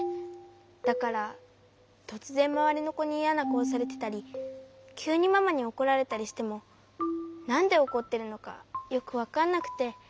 だからとつぜんまわりのこにイヤなかおされてたりきゅうにママにおこられたりしてもなんでおこってるのかよくわかんなくて。